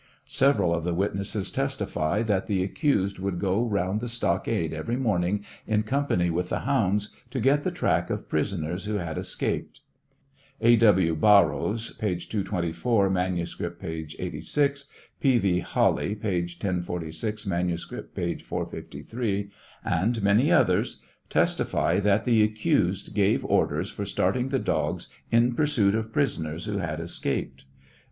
Several of the witnesses testify that the accused would go round the stockade every morning in company with the hounds to get the track of prisoners who had escaped. A. W. Barrows, (p. 224; manuscript, p. 86,) P. V. Halley, (p. 1046 ; manuscript, p. 453,) and many others, testify that the accused gave orders for starting the dogs in pursuit of prisoners who had escaped.